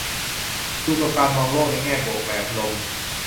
อยู่กับการมองโลกในแง่บวกแบบลม